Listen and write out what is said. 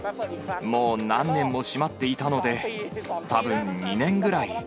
もう何年も閉まっていたので、たぶん２年ぐらい。